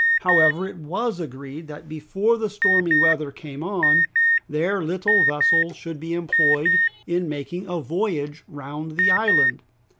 However, it was agreed that before the stormy weather came on, their little vessel should be employed in making a voyage round the island.